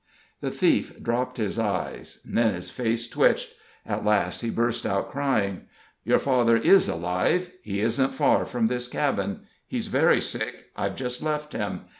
The thief dropped his eyes, then his face twitched; at last he burst out crying. "Your father is alive; he isn't far from this cabin; he's very sick; I've just left him.